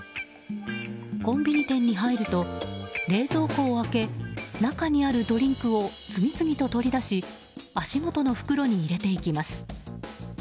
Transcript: コンビニ店に入ると冷蔵庫を開け中にあるドリンクを次々と取り出し足元の袋に入れていきます。